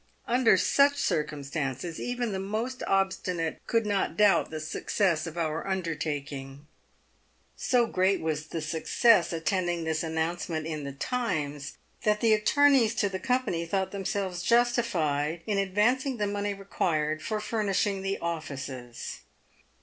Under such circumstances, even the most obstinate could not doubt the success of our undertaking." So great was the success attending this announcement in the Times, that the attorneys to the company thought themselves jus tified in advancing the money required for furnishing the offices.